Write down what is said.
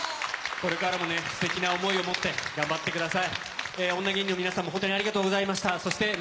これからもすてきな想いを持って頑張ってください。